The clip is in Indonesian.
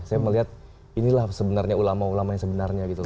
saya melihat inilah sebenarnya ulama ulama yang sebenarnya gitu